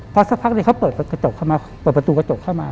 เพราะสักพักเขาเปิดประตูกระจกเข้ามา